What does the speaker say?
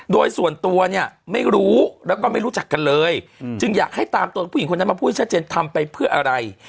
โดยส่วนตัวเนี่ยไม่รู้แล้วก็ไม่รู้จักกันเลยจึงอยากให้ตามตัวผู้หญิงคนนั้นมาพูดให้ชัดเจนทำไปเพื่ออะไร